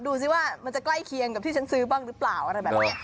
ดูสิว่ามันจะใกล้เคียงกับที่ฉันซื้อบ้างหรือเปล่าอะไรแบบนี้